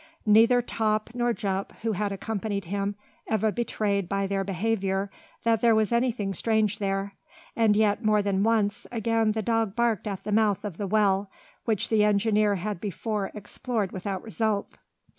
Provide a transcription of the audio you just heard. Neither Top nor Jup, who accompanied him, ever betrayed by their behaviour that there was anything strange there, and yet more than once again the dog barked at the mouth of the well, which the engineer had before explored without result.